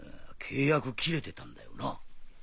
契約切れてたんだよな。